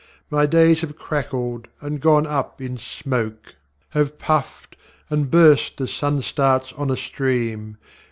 My days have crackled and gone up in smoke, Have puffed and burst as sun starts on a stream.